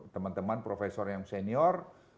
teman teman profesor yang senior